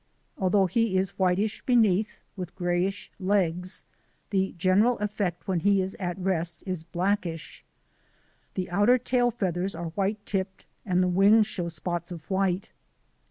Although he is whitish beneath, with grayish legs, the general effect when he is at rest is blackish. The outer tail feathers are white tipped and the wings show 30 THE ADVENTURES OF A NATURE GUIDE spots of white.